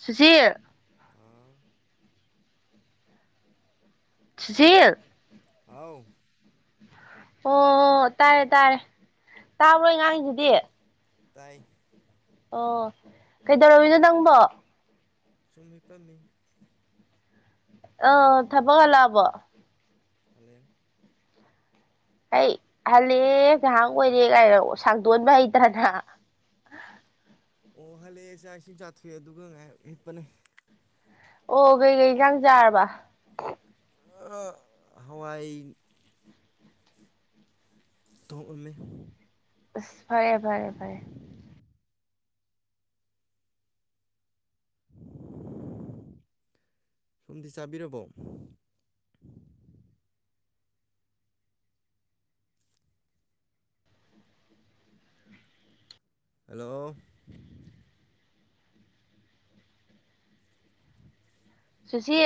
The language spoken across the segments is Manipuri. ꯁꯨꯁꯤꯜ ꯑꯥ ꯁꯁꯤꯜ ꯊ ꯑꯣ ꯇꯥꯔꯦ ꯇꯥꯔꯦ ꯇꯥꯕ꯭ꯔꯣꯏ ꯉꯥꯡꯁꯤꯗꯤ ꯇꯥꯏ ꯑꯣ ꯀꯩꯗꯧꯔꯃꯤꯅꯣ ꯅꯪꯕꯣ ꯁꯨꯝꯃꯃꯤ ꯄꯥꯝꯃꯤ ꯑ ꯊꯕꯒꯜꯂꯕꯣ ꯑꯂꯦ ꯍ ꯍꯜꯂꯦ ꯉꯍꯥꯟ ꯑꯣꯏꯔꯦ ꯀꯥꯏꯅꯣ ꯁꯥꯡꯗꯣꯟꯕ ꯍꯩꯇꯅ ꯑꯣ ꯍꯜꯂꯦꯁꯦꯁꯤꯡ ꯆꯥꯊꯣꯛꯑꯦ ꯑꯗꯨꯒꯉꯄꯅꯦ ꯑꯣ ꯀꯩꯀꯩ ꯏꯟꯁꯥꯡ ꯆꯥꯔꯕ ꯍꯋꯥꯥꯏ ꯇꯍꯏꯃꯦ ꯑ ꯐꯔꯦ ꯐꯔꯦ ꯐꯔꯦ ꯁꯣꯨꯝꯗꯤ ꯆꯥꯕꯤꯔꯕꯣ ꯍꯂꯣ ꯁꯨꯁꯤ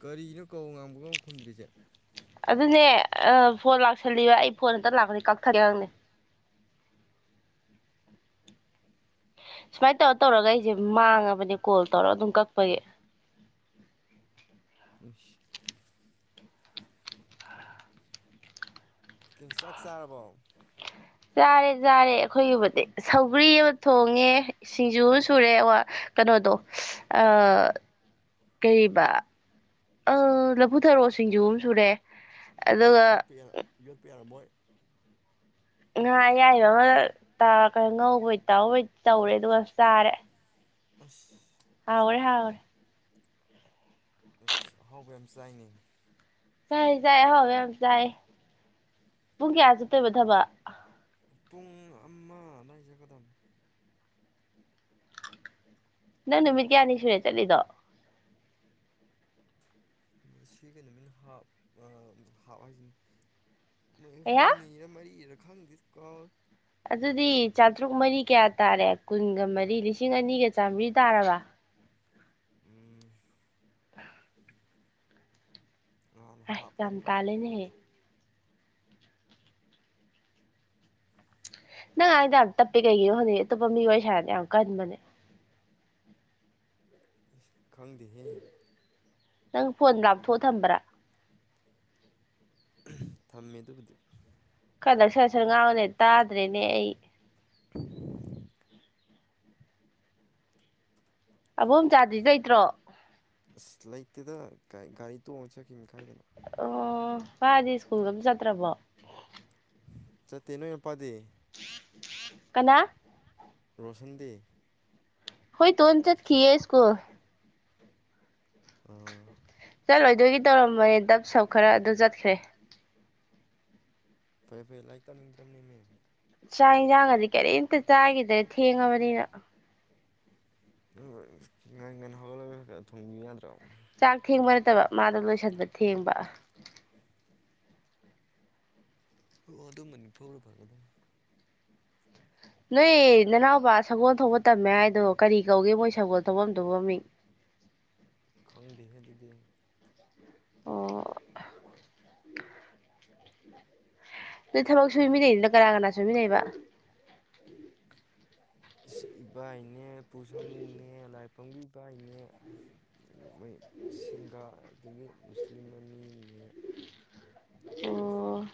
ꯀꯔꯤꯅꯣ ꯀꯧ ꯉꯥꯡꯕꯒ ꯈꯨꯝꯗ꯭ꯔꯤꯁꯦ ꯑꯗꯨꯅꯦ ꯐꯣꯟ ꯂꯥꯛꯁꯜꯂꯤꯕ ꯑꯩ ꯐꯣꯟ ꯑꯝꯇ ꯂꯥꯛꯄꯅꯤ ꯀꯛꯊꯠꯒꯦꯔꯪꯅꯦ ꯁꯨꯃꯥꯏ ꯇꯧꯔ ꯇꯧꯔꯒ ꯑꯩꯁꯦ ꯃꯥꯡꯉꯕꯅꯦ ꯀꯣꯜ ꯇꯧꯔ ꯑꯗꯨꯝ ꯀꯛꯄꯒꯤ ꯁ ꯀꯤꯟ ꯆꯇꯥꯛ ꯆꯥꯔꯕꯣ ꯆꯥꯔꯦ ꯆꯥꯔꯦ ꯑꯩꯈꯣꯏꯒꯤꯕꯨꯗꯤ ꯁꯧꯒ꯭ꯔꯤ ꯑꯃ ꯊꯣꯡꯉꯦ ꯁꯤꯡꯖꯨ ꯑꯃ ꯁꯨꯔꯦ ꯀꯩꯅꯣꯗꯣ ꯑ ꯀꯔꯤꯕ ꯑ ꯂꯐꯨꯊꯔꯣ ꯁꯤꯡꯖꯨ ꯑꯃ ꯁꯨꯔꯦ ꯑꯗꯨꯒ ꯌꯣꯠꯄ ꯌꯥ ꯌꯣꯠꯄ ꯌꯥꯔꯝꯃꯣꯏ ꯉꯥ ꯑꯌꯥꯏꯕ ꯑꯃ ꯉꯧꯕꯩ ꯇꯥꯎꯕꯣꯏ ꯇꯧꯔꯦ ꯑꯗꯨꯒ ꯆꯥꯔꯦ ꯑꯁ ꯍꯔꯦ ꯍꯥꯏꯥꯎꯔꯦ ꯑꯍꯥꯎꯕ ꯌꯥꯝ ꯆꯥꯏꯅꯩ ꯆꯥꯏ ꯆꯥꯏ ꯑꯍꯥꯎꯕ ꯌꯥꯝ ꯆꯥꯏ ꯄꯨꯡ ꯀꯌꯥ ꯆꯠꯇꯣꯏꯕ ꯊꯕꯛ ꯄꯨꯡ ꯑꯃ ꯑꯗꯨꯋꯥꯏ ꯆꯠꯀꯗꯝꯕ ꯅꯪ ꯅꯨꯃꯤꯠ ꯀꯌꯥꯅꯤ ꯁꯨꯅ ꯆꯠꯂꯤꯗꯣ ꯁꯤ ꯀꯩꯅꯣꯃꯤꯅꯞ ꯍꯥꯞ ꯍꯥꯏꯁꯤꯅꯤ ꯃꯣꯏ ꯀꯌꯥ ꯍꯨꯝꯅꯤꯔ ꯃꯔꯤꯔ ꯍꯪꯗ ꯀꯔ ꯑꯗꯨꯗꯤ ꯆꯥꯇ꯭ꯔꯨꯛ ꯃꯔꯤ ꯀꯌꯥ ꯇꯥꯔꯦ ꯀꯨꯟꯒ ꯃꯔꯤ ꯂꯤꯁꯤꯡ ꯑꯅꯤꯒ ꯆꯥꯃꯔꯤ ꯇꯥꯔꯕ ꯎꯝ ꯅꯍꯥꯟ ꯍꯥꯞꯄ ꯌꯥꯝꯝ ꯑꯃꯒ ꯇꯂꯦꯅꯦ ꯅꯪ ꯍꯥꯏꯗ ꯌꯥꯝ ꯇꯞꯄꯤ ꯀꯩꯒꯤꯅꯣ ꯍꯣꯅꯩ ꯑꯇꯣꯞꯄ ꯃꯤꯑꯣꯏ ꯍꯥꯏꯔꯅ ꯌꯥꯝ ꯀꯟꯕꯅꯦ ꯈꯪꯗ ꯍꯦ ꯅꯪ ꯐꯣꯟ ꯂꯥꯞꯊꯣꯛꯑ ꯊꯝꯕ꯭ꯔꯥ ꯊꯝꯃꯦ ꯑꯗꯨꯕꯨꯗꯤ ꯀꯟꯗꯛ ꯁ ꯁꯟ ꯉꯥꯡꯅꯦ ꯇꯥꯗ꯭ꯔꯦꯅꯦ ꯑꯩ [unintelligible] ꯑꯕꯣꯝꯆꯥꯗꯤ ꯂꯩꯇ꯭ꯔꯣ ꯑꯁ ꯂꯩꯇꯦꯗ ꯒꯥꯔꯤ ꯇꯣꯡꯉ ꯆꯈꯤꯕ ꯀꯥꯏꯗꯅ ꯑꯣ ꯋꯥꯗꯤ ꯁ꯭ꯀꯨꯜꯗꯝ ꯆꯠꯇ꯭ꯔꯕꯣ ꯆ ꯊꯦꯡꯅꯣ ꯌꯦꯄꯥꯗꯤ ꯀꯅꯥ ꯔꯣꯁꯟꯗꯤ ꯍꯣꯏ ꯇꯨꯣꯟ ꯆꯦꯠ ꯀꯦ ꯏꯁꯀꯨ ꯑꯣ ꯆꯠꯂꯣꯏꯗꯣꯏꯒꯤ ꯇꯧꯔꯝꯕꯅꯦ ꯗꯞ ꯁꯛ ꯈꯔ ꯑꯗꯨ ꯆꯠꯈ꯭ꯔꯦ ꯐꯔꯩꯦ ꯐꯔꯩꯦ ꯂꯥꯏꯔꯤꯛ ꯇꯥꯅꯤꯡꯗ꯭ꯔꯕꯅꯦꯃꯦꯦꯝ ꯆꯥꯛ ꯌꯦꯟꯁꯥꯡ ꯑꯗꯨꯗꯤ ꯀꯔꯤꯝꯇ ꯆꯥꯈꯤꯗ꯭ꯔꯦ ꯊꯦꯡꯉꯕꯅꯤꯅ ꯉꯟ ꯉꯟ ꯍꯧꯒꯠꯂꯒ ꯈ ꯊꯣꯡꯕꯤ ꯌꯥꯗ꯭ꯔꯣ ꯆꯥꯛ ꯊꯦꯡꯕ ꯅꯠꯇꯕ ꯃꯥꯗ ꯂꯣꯏꯁꯤꯟꯕ ꯊꯦꯡꯕ ꯑꯣ ꯑꯗꯨꯝꯕꯅꯤ ꯐꯧꯔ ꯐꯒꯗ ꯎ ꯅꯣꯏ ꯅꯅꯥꯎꯕ ꯁꯒꯣꯜ ꯊꯣꯛꯄ ꯇꯝꯃꯦ ꯍꯥꯏꯗꯣ ꯀꯔꯤ ꯀꯧꯒꯦ ꯃꯣꯏ ꯁꯒ ꯊꯧꯐꯝ ꯊꯣꯛꯧꯐꯝ ꯃꯤ ꯈꯪꯗꯦ ꯑꯗꯨꯗꯤ ꯑꯣ ꯑꯗꯨ ꯊꯕꯛ ꯁꯨꯃꯤꯟꯅꯩꯅꯣ ꯀꯅꯥ ꯀꯅꯥ ꯁꯨꯃꯤꯟꯅꯩꯕ ꯏꯕꯥꯏꯅꯦ ꯄꯨ ꯁꯥꯃꯨꯅꯦ ꯂꯥꯏꯄꯝꯕꯤ ꯏꯕꯥꯏꯅꯦꯗꯒꯤ ꯃꯣꯏ ꯁꯤꯡꯒꯥ ꯑꯗꯒꯤ ꯃꯨꯁꯂꯤꯝ ꯑꯅꯤꯅꯦ ꯑꯣ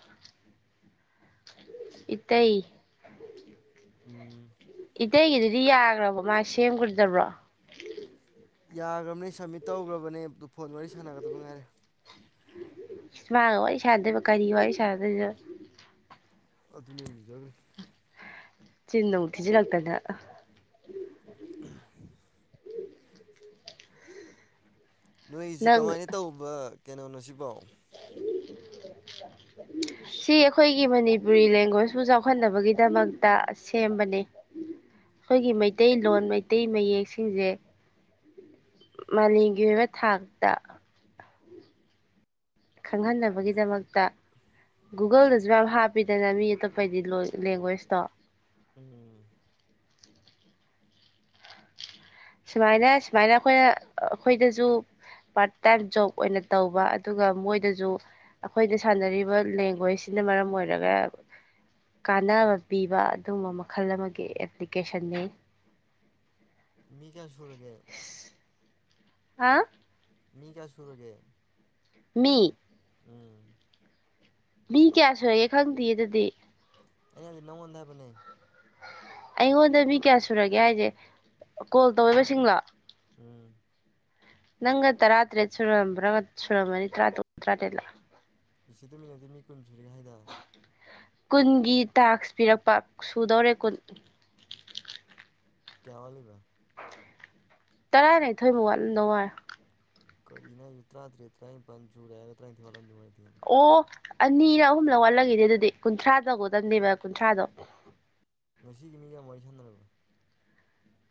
ꯏꯠꯇ ꯎꯝ ꯃꯇꯩꯒꯤꯗꯨꯗꯤ ꯌꯥꯈ꯭ꯔꯕ ꯃꯥ ꯁꯦꯝꯈꯗꯕ꯭ꯔꯣ ꯌꯥꯈ꯭ꯔꯕꯅꯦ ꯁꯕꯃꯤꯠ ꯇꯧꯈ꯭ꯔꯕꯅꯦ ꯑꯗꯨ ꯐꯣꯟ ꯋꯥꯔꯤ ꯁꯥꯟꯅꯒꯗꯕ ꯉꯥꯏꯔꯦ ꯁꯃꯥꯒ ꯋꯥꯔꯤ ꯋꯥꯔꯤ ꯁꯗꯗ ꯀꯔꯤ ꯋꯥꯔꯤ ꯋꯥꯔꯤ ꯁꯗꯗ ꯑꯗꯨꯅꯤꯖꯈꯦ ꯆꯤꯟꯅ ꯎ ꯊꯤꯁꯤ ꯂꯥꯛꯇꯥꯗ ꯅꯣꯏꯁꯤ ꯅꯪ ꯀꯃꯥꯏꯅ ꯇꯧꯕ ꯀꯩꯅꯣ ꯅꯣꯁꯤꯕꯣ ꯁꯤ ꯑꯩꯈꯣꯏꯒꯤ ꯃꯅꯤꯄꯨꯔꯤ ꯂꯦꯡꯒ꯭ꯋꯦꯁꯄꯨ ꯆꯥꯎꯈꯠꯅꯕꯒꯤꯗꯃꯛꯇ ꯁꯦꯝꯕꯅꯦ ꯑꯩꯈꯣꯏꯒꯤ ꯃꯩꯇꯩꯂꯣꯟ ꯃꯩꯇꯩ ꯃꯌꯦꯛꯁꯤꯡꯁꯦ ꯃꯥꯂꯦꯝꯒꯤ ꯑꯣꯏꯕ ꯊꯥꯛꯇ ꯈꯪꯍꯟꯅꯕꯒꯤꯗꯃꯛꯇ ꯒꯨꯒꯜꯗꯁꯨ ꯌꯥꯝ ꯍꯥꯞꯄꯤꯗꯅ ꯃꯤ ꯑꯇꯣꯞꯄꯗꯤ ꯂꯦꯡꯒ꯭ꯋꯦꯁꯇꯣ ꯎꯝ ꯁꯨꯃꯥꯏꯅ ꯁꯨꯃꯥꯏꯅ ꯑꯩꯈꯣꯏꯅ ꯑꯩꯈꯣꯏꯗꯁꯨ ꯄꯥꯔꯠ ꯇꯥꯏꯝ ꯖꯣꯕ ꯑꯣꯏꯅ ꯇꯧꯕ ꯑꯗꯨꯒ ꯃꯣꯏꯗꯁꯨ ꯑꯩꯈꯣꯏꯗ ꯁꯥꯟꯅꯔꯤꯕ ꯂꯦꯡꯒ꯭ꯋꯦꯖꯁꯤꯅ ꯃꯔꯝ ꯑꯣꯏꯔꯒ ꯀꯥꯟꯅꯕ ꯄꯤꯕ ꯑꯗꯨꯒꯨꯝꯕ ꯃꯈꯜ ꯑꯃꯒꯤ ꯑꯦꯄ꯭ꯂꯤꯀꯦꯁꯟꯅꯤ ꯃꯤ ꯀꯌꯥ ꯁꯨꯔꯒꯦ ꯍꯥ ꯃꯤ ꯀ ꯁꯨꯔꯒꯦ ꯃꯤ ꯎꯝ ꯃꯤ ꯀꯌꯥ ꯁꯨꯨꯔꯒꯦ ꯈꯪꯗꯦ ꯑꯗꯨꯗꯤ ꯑꯩꯅꯗꯤ ꯅꯉꯣꯟꯗꯥꯥꯏꯕ ꯅ ꯑꯩꯉꯣꯟꯗ ꯃꯤ ꯀꯌꯥ ꯁꯨꯔꯒꯦ ꯍꯥꯏꯁꯦ ꯀꯣꯜ ꯇꯧꯕꯁꯤꯡꯂ ꯎꯝ ꯅꯪ ꯇ ꯔꯥꯇꯦ ꯆꯨꯔꯝꯕ꯭ꯔ ꯑꯣꯏ ꯆꯨꯔꯝꯕ ꯅ ꯇꯥꯇ ꯇ ꯔꯥꯇꯂ ꯏ ꯇꯨꯃꯤꯟꯅꯗꯤ ꯃꯤ ꯀꯨꯟ ꯁꯨꯔꯤꯦ ꯍꯥꯏꯗ ꯀꯨꯟꯒꯤ ꯇꯥꯛꯁ ꯄꯤꯔꯛꯄ ꯁꯨꯗꯧꯔꯦ ꯀꯨꯟ ꯀꯌꯥ ꯋꯥꯦ ꯀ ꯇꯔꯥꯏꯅ ꯊꯣꯏꯃꯨ ꯋꯥꯠ ꯅꯋꯥꯔ ꯀꯔꯤꯅ ꯇ꯭ꯔꯥ ꯊꯔꯦ ꯇ꯭ꯔꯥ ꯄ ꯆꯨꯔꯦꯒ ꯇ꯭ꯔꯥꯏ ꯊ ꯋꯥꯔ ꯑꯣ ꯑꯅꯤꯔ ꯑꯍꯨꯝꯂ ꯋꯥꯠꯂꯒꯦꯅꯦ ꯑꯗꯨꯗꯤ ꯀꯨꯟꯊ꯭ꯔꯥ ꯇꯒ ꯇꯝꯅꯦꯦꯕ ꯀꯨꯟꯊ꯭ꯔꯥꯗꯣ ꯉꯁꯤꯒꯤ ꯃꯤꯒ ꯋꯥꯔꯤ ꯁꯥꯟꯅꯔꯕ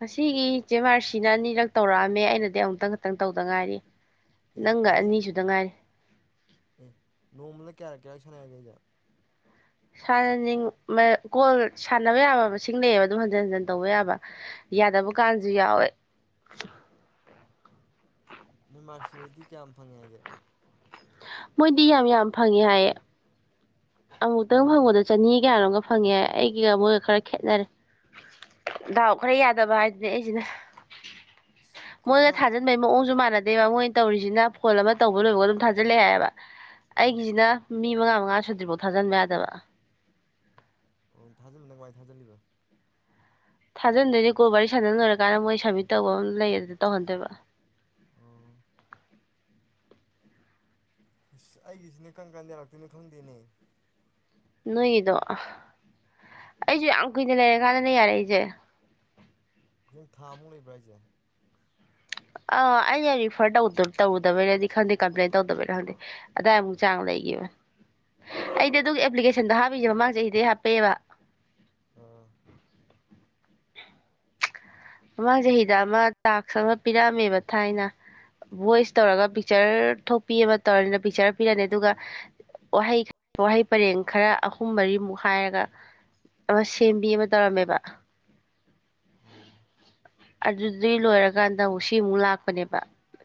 ꯑꯁꯤꯒꯤꯆꯦ ꯑꯥꯔ ꯁꯤꯅ ꯑꯅꯤꯔꯛ ꯇꯧꯔꯛꯑꯝꯃꯦ ꯑꯩꯅꯗꯤ ꯑꯃꯨꯛꯇꯪ ꯈꯛꯇꯪ ꯇꯧꯗ ꯉꯥꯏꯔꯤ ꯅꯪꯒ ꯑꯅꯤꯁꯨꯗ ꯉꯥꯏꯔꯦ ꯅꯣꯡꯃ ꯀꯌꯥꯔ ꯀꯌꯥ ꯁꯅꯒ ꯌꯥꯔ ꯥꯟꯅꯅꯤꯡ ꯀꯣꯜ ꯁꯥꯟꯅꯕ ꯌꯥꯕ ꯃꯁꯤꯡ ꯂꯩꯑꯕ ꯑꯗꯨꯝ ꯍꯟꯖꯤꯟ ꯍꯟꯖꯤꯟ ꯇꯧꯕ ꯌꯥꯕ ꯌꯥꯗꯕ ꯀꯥꯟꯁꯨ ꯌꯥꯎꯋꯦ ꯅꯃꯥꯁꯤꯕꯗꯤ ꯀꯌꯥꯝ ꯐꯪꯉꯦ ꯍꯥꯏꯒꯦ ꯃꯣꯏꯗꯤ ꯌꯥꯝ ꯌꯥꯝ ꯐꯪꯉꯦ ꯍꯥꯏꯌꯦ ꯑꯃꯨꯛꯇꯪ ꯃꯣꯏꯅ ꯀꯃꯥꯏ ꯐꯪꯕꯗꯣ ꯆꯅꯤ ꯀꯌꯥꯔꯣꯒ ꯐꯪꯉꯦ ꯑꯩꯒꯤꯒ ꯃꯣꯏꯒ ꯈꯔ ꯈꯦꯠꯅꯔꯦ ꯗꯥꯎ ꯈꯔ ꯌꯥꯗꯕ ꯍꯥꯏꯗꯨꯗꯤ ꯑꯩꯁꯤꯅ ꯑꯩꯈꯣꯏꯁꯨ ꯃꯣꯏꯒ ꯈꯪ ꯊꯥꯖꯤꯟꯕꯩ ꯃꯑꯣꯡꯁꯨ ꯃꯥꯟꯅꯦ ꯑꯗꯩꯕꯕꯥ ꯃꯣꯏꯅ ꯇꯧꯔꯤꯁꯤꯅ ꯐꯣꯟ ꯑꯃ ꯇꯧꯕ ꯂꯣꯏꯕꯒ ꯑꯗꯨꯝ ꯊꯥꯖꯤꯜꯂꯛꯦ ꯍꯥꯏꯌꯦꯕ ꯑꯥ ꯑꯩꯒꯤꯁꯤꯅ ꯃꯤ ꯃꯉꯥ ꯑꯁꯕ ꯊꯥꯖꯟꯕ ꯌꯥꯗꯕ ꯑꯣ ꯊꯥꯖꯜꯂꯅ ꯚꯥꯏ ꯊꯥꯖꯤꯜꯂꯤꯕ ꯊꯥꯖꯟꯗꯣꯏꯅꯦ ꯒꯣ ꯔꯤ ꯁꯥꯖꯟ ꯂꯣꯏꯔꯀꯥꯟꯗ ꯃꯣꯏ ꯁꯕꯃꯤꯠ ꯇꯧꯕ ꯑꯃ ꯂꯩꯌꯦ ꯑꯗꯨꯗ ꯇꯧꯍꯟꯗꯣꯏꯕ ꯑꯣ ꯑꯩꯒꯤꯁꯤꯅꯦ ꯀꯥꯟ ꯀꯥꯟ ꯌꯥꯔꯛꯇꯣꯏꯅꯣ ꯈꯪꯗꯦꯅꯦ ꯅꯣꯏꯒꯤꯗꯣ ꯑꯩꯁꯨ ꯌꯥꯝ ꯀꯨꯏꯅ ꯂꯩꯔꯀꯥꯟꯗꯅꯦ ꯌꯥꯔꯏꯁꯦ ꯅꯁꯤꯡ ꯊꯥꯃꯨꯛ ꯂꯩꯕ꯭ꯔꯥ ꯍꯥꯏꯁꯦ ꯑꯥ ꯑꯩꯩꯅ ꯔꯤꯐꯔ ꯇꯧꯔꯨꯗꯕꯩꯅꯗꯤ ꯈꯪꯗꯦ ꯀꯝꯄ꯭ꯂꯦꯟ ꯇꯧꯗꯕꯩꯩꯅ ꯈꯪꯗꯦ ꯑꯗꯥꯏꯃꯨꯛ ꯆꯥꯡ ꯂꯩꯈꯤꯕꯕ ꯑꯗ ꯑꯗꯨ꯭ꯂꯦꯁꯟ ꯁꯦꯟꯗ ꯍꯥꯕꯤꯁꯦ ꯃꯃꯥꯡ ꯆꯍꯤꯦꯗꯩ ꯍꯥꯞꯄꯦꯕ ꯑꯥ ꯃꯃꯥꯡ ꯆꯍꯤꯗ ꯑꯃ ꯇꯥꯛꯁ ꯑꯃ ꯄꯤꯔꯛꯑꯝꯃꯦꯕ ꯊꯥꯏꯅ ꯚꯣꯏꯁ ꯇꯧꯔꯒ ꯄꯤꯛꯆꯔ ꯊꯣꯛꯄꯤ ꯑꯃ ꯇꯧꯔꯅꯤꯅ ꯄꯤꯛꯆꯔ ꯄꯤꯔꯛꯅꯤ ꯑꯗꯨꯒ ꯋꯥꯍꯩ ꯋꯥꯍꯩ ꯄꯔꯦꯡ ꯈꯔ ꯑꯍꯨꯝ ꯃꯔꯤꯃꯨꯛ ꯍꯥꯏꯔꯒ ꯑꯃ ꯁꯦꯝꯕꯤ ꯑꯃ ꯇꯧꯔꯝꯃꯦꯕ ꯎꯝ ꯑꯗꯨꯗꯤ ꯂꯣꯏꯔꯒ ꯀꯀꯥꯟꯗ ꯑꯃꯨꯛ ꯁꯤꯃꯨꯛ ꯂꯥꯛꯄꯅꯦꯕ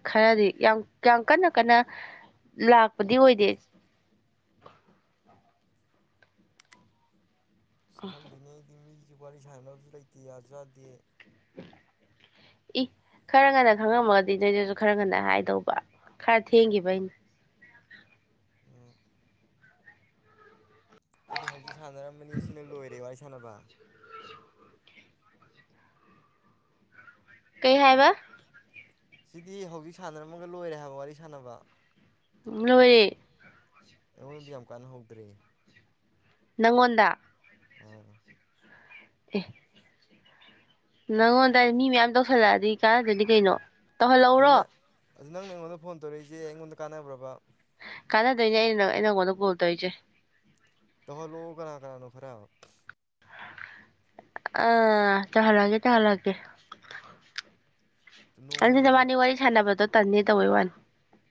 ꯈꯔꯗꯤ ꯌꯥꯝ ꯌꯥꯝ ꯀꯟꯅ ꯀꯟꯅ ꯂꯥꯛꯄꯗꯤ ꯑꯣꯏꯗꯦ ꯁ ꯈꯪꯗꯅꯦꯗꯤꯃꯤ ꯍꯧꯖꯤꯛ ꯋꯥꯔꯤ ꯁꯥꯟꯅꯕꯁꯨ ꯂꯩꯇꯦ ꯌꯥꯁꯨ ꯌꯥꯗꯦ ꯏ ꯈꯔ ꯉꯟꯅ ꯈꯪꯉꯝꯃꯒꯗꯤ ꯅꯣꯏꯗꯨꯁꯨ ꯈꯔ ꯉꯟꯅ ꯍꯥꯏꯗꯧꯕ ꯈꯔ ꯊꯦꯡꯈꯤꯕꯩꯅꯤ ꯎꯝ ꯁꯤꯗꯤ ꯍꯧꯖꯤꯛ ꯁꯥꯟꯅꯔꯝꯝꯕꯅꯤ ꯁꯤꯅ ꯂꯣꯏꯔꯦ ꯋꯥꯔꯤ ꯁꯥꯟꯅꯕ ꯀꯩ ꯍꯥꯏꯕ ꯁꯤꯗꯤ ꯍꯧꯖꯤꯛ ꯁꯥꯟꯅꯔꯝꯃꯒ ꯂꯣꯏꯔꯦ ꯍꯥꯏꯕ ꯋꯥꯔꯤ ꯁꯥꯟꯅꯕ ꯂꯣꯏꯔꯦ ꯑꯩꯉꯣꯟꯗꯤ ꯌꯥꯝ ꯀꯥꯟꯅ ꯍꯧꯗ꯭ꯔꯦ ꯅꯪꯉꯣꯟꯗ ꯑ ꯑꯦ ꯅꯪꯉꯣꯟꯗ ꯃꯤ ꯃꯌꯥꯝ ꯇꯧꯁꯜꯂꯛꯑꯗꯤ ꯀꯥꯟꯔꯗꯣꯏꯗꯤ ꯀꯩꯅꯣ ꯇꯧꯍꯜꯂꯧꯔꯣ ꯑꯗꯨꯗ ꯅꯪꯅ ꯑꯩꯉꯣꯟꯗ ꯐꯣꯟ ꯇꯧꯔꯛꯏꯁꯦ ꯑꯩꯉꯣꯟꯗ ꯀꯥꯟꯅꯕ꯭ꯔꯕ ꯀꯥꯟꯅꯗꯣꯏꯅꯦ ꯑꯩꯅ ꯅ ꯅꯪꯉꯣꯟꯗ ꯀꯜ ꯇꯧꯔꯤꯁꯦ ꯇ ꯍꯣꯂꯣ ꯀꯅꯥ ꯀꯅꯥ ꯅ ꯈꯔꯕ ꯑ ꯆꯍ ꯂꯒꯦ ꯆꯍ ꯂꯒꯦ ꯑ ꯅ ꯅꯣꯡꯃꯗ ꯃꯥꯅꯤ ꯋꯥꯔꯤ ꯁꯅꯕꯗꯨ ꯇꯟꯅꯦ ꯇ ꯑꯣꯏ ꯋꯥꯅꯤ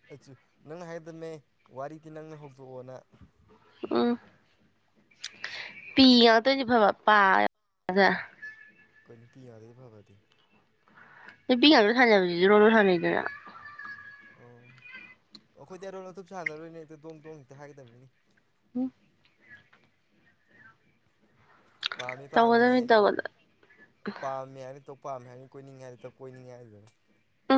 ꯑꯨ ꯅꯪ ꯍꯥꯏꯗꯝꯃꯦ ꯋꯥꯔꯤꯗꯤ ꯅꯪꯅ ꯍꯧꯗꯣꯛꯑꯣꯅ ꯑꯣꯥ ꯄꯤꯌꯥ ꯇ ꯐꯕ ꯄꯥ ꯑꯩꯈꯣꯏ ꯅꯨꯄꯤ ꯌꯥꯗꯦꯗꯤꯦ ꯐꯕꯗꯤ ꯄꯤꯒꯥ ꯈꯥꯖꯕꯗꯨꯗꯤ ꯔꯣꯂꯨ ꯁꯥꯟꯅꯩꯗꯅ ꯑꯣ ꯑꯣ ꯑꯩꯈꯣꯏꯗꯤ ꯑꯔꯣ ꯑꯊꯨꯞ ꯁꯥꯟꯅꯔꯣꯏꯅꯦ ꯍꯦꯛꯇ ꯗꯣꯡ ꯇꯣꯡ ꯍꯦꯛꯇ ꯍꯥꯏꯒꯗꯕꯅꯤꯅꯤ ꯎꯝ ꯄꯥꯝꯃꯤ ꯄꯥꯝꯃꯤ ꯇꯧꯒꯗꯕꯅꯤ ꯇꯧꯒꯗ ꯄꯥꯝꯃꯦ ꯍꯥꯏꯅꯤ ꯄꯥꯝꯃꯦ ꯍꯥꯏꯅꯤ ꯀꯣꯏꯅꯤꯡꯉꯥꯏ ꯍꯥꯏꯗꯨꯗ ꯀꯣꯏꯅꯤꯡꯉ ꯍꯥꯏꯗꯨꯗꯅ ꯑ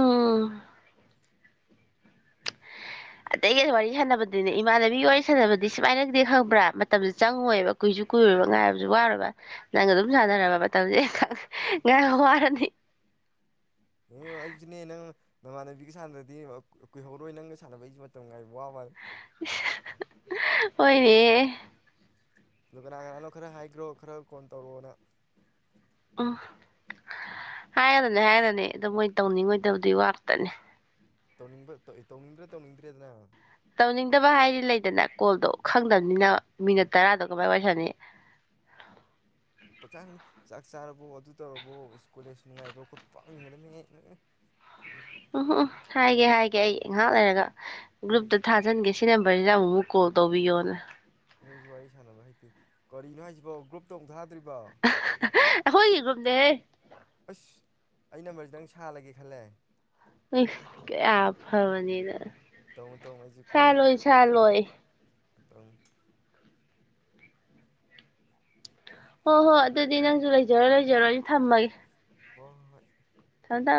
ꯑꯇꯩꯒ ꯋꯥꯔꯤ ꯁꯥꯟꯅꯕꯗꯨꯅꯦ ꯏꯃꯥꯟꯅꯕꯤꯒꯤ ꯋꯥꯔꯤ ꯁꯥꯟꯅꯕꯗꯤ ꯁꯨꯃꯥꯏꯅꯗꯤ ꯈꯪꯕ꯭ꯔꯥ ꯃꯇꯝꯁ ꯆꯪꯉꯣꯏꯕ ꯀꯨꯏꯁꯨ ꯀꯨꯏꯔꯨꯔꯕ ꯉꯥꯏꯔꯕꯁꯨ ꯋꯥꯨꯔꯕ ꯅꯪꯅ ꯑꯗꯨꯝ ꯁꯥꯟꯅꯔꯕ ꯃꯇꯝꯁꯦ ꯉꯥꯏꯕ ꯋꯥꯔꯅꯤ ꯎ ꯑꯩꯁꯨꯅꯦ ꯅꯪ ꯅꯃꯥꯟꯅꯕꯤꯒ ꯁꯥꯟꯅ꯭ꯔꯗꯤ ꯀꯨꯏꯍꯧꯔꯣꯏ ꯅꯪꯒ ꯁꯥꯟꯅꯕ ꯑꯩꯁꯨ ꯃꯇꯝ ꯉꯥꯏꯕ ꯋꯥꯃꯟ ꯑꯣꯏꯣꯏꯅꯦ ꯑꯗꯨ ꯀꯅꯥ ꯀꯅꯥꯅꯣ ꯈꯔ ꯍꯥꯏꯈ꯭ꯔꯣ ꯈꯔ ꯀꯣꯟ ꯇꯧꯔꯛꯑꯣꯅ ꯎꯝ ꯍꯥꯏꯔꯅꯤ ꯍꯥꯏꯔꯅꯤ ꯑꯗꯨ ꯃꯣꯏ ꯇꯧꯅꯤꯡꯉꯣꯏꯗꯕꯗꯤ ꯋꯥꯇꯅꯦ ꯇꯅꯤꯡ ꯇꯧꯅꯤꯡꯗ꯭ꯔꯦ ꯇꯧꯅꯤꯡꯗ꯭ꯔꯦꯗꯅ ꯇꯧꯅꯤꯡꯗꯕ ꯍꯥꯏꯗꯤ ꯂꯩꯗꯅ ꯀꯣꯜꯗꯣ ꯈꯪꯗꯕꯅꯤꯅ ꯃꯤꯅꯠ ꯇꯔꯥꯗꯣ ꯀꯃꯥꯏ ꯑꯣꯏꯁꯅꯤ ꯄꯥꯛꯆꯆꯥ ꯆꯥꯛ ꯆꯥꯔꯕꯣ ꯑꯗꯨ ꯇꯧꯔꯕꯣ ꯀꯣꯂꯦꯖ ꯅꯨꯡꯉꯥꯏꯕ꯭ꯔꯣ ꯈꯣꯠꯄ ꯄꯥꯡꯅꯤꯡꯒꯗꯅꯤ ꯎꯝꯝ ꯎꯝ ꯍꯥꯏꯒꯦ ꯍꯥꯏꯒꯦ ꯑꯩ ꯉꯥꯏꯍꯥꯛ ꯂꯩꯔꯒ ꯅꯣꯏ ꯒ꯭ꯔꯨꯞꯇ ꯊꯥꯖꯤꯟꯒꯦ ꯁꯤ ꯅꯝꯕꯔꯤꯗ ꯑꯃꯨꯛ ꯀꯣꯗꯣꯕꯤ ꯑꯣꯅꯦ ꯅꯣꯏꯁꯨ ꯋꯥꯔꯤ ꯁꯥꯟꯅꯕ ꯍꯩꯇꯦ ꯀꯔꯤꯅꯣ ꯍꯥꯏꯁꯤꯕꯥꯎ ꯒ꯭ꯔꯨꯞ ꯇꯧꯊꯥ ꯍꯣꯏꯌꯦ ꯨꯝꯗ ꯍꯦ ꯑꯁ ꯑꯩ ꯅꯝꯕꯔꯁꯤ ꯅꯪ ꯁꯥꯜꯂꯒꯦ ꯈꯜꯂꯦ ꯑ ꯍꯥꯏꯕꯅꯤꯗ ꯇꯧꯅꯨ ꯇꯧꯅꯨ ꯆꯂꯣꯏ ꯆꯂꯣꯏ ꯑ꯭ꯔꯝ ꯍꯣꯏ ꯍꯣꯏ ꯑꯗꯨꯗꯤ ꯅꯪꯁꯨ ꯂꯩꯖꯔꯣ ꯂꯩꯖꯔꯣ ꯅ ꯊꯝꯃꯒꯦ ꯍꯣꯏ ꯍꯣꯏ ꯊꯗ